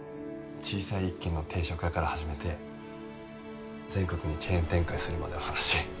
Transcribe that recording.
小さい一軒の定食屋から始めて全国にチェーン展開するまでの話。